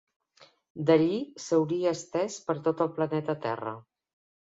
D'allí s'hauria estès per tot el planeta Terra.